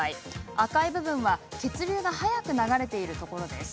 赤い部分は血流が速く流れているところです。